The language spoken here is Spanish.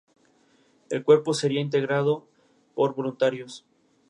Pertenece a la familia de la cítara.